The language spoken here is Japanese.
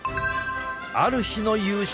ある日の夕食。